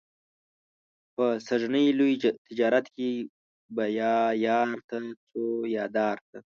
په سږني لوی تجارت کې به یا یار ته څو یا دار ته.